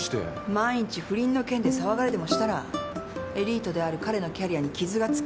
万一不倫の件で騒がれでもしたらエリートである彼のキャリアに傷がつく。